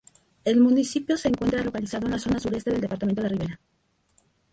El municipio se encuentra localizado en la zona sureste del departamento de Rivera.